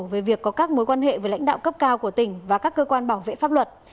về việc có các mối quan hệ với lãnh đạo cấp cao của tỉnh và các cơ quan bảo vệ pháp luật